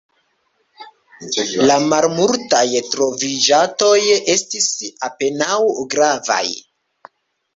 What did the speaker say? La malmultaj trovitaĵoj estis apenaŭ gravaj.